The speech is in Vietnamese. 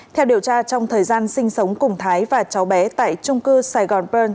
theo điều tra trong thời gian sinh sống cùng thái và cháu bé tại trung cư sài gòn pearl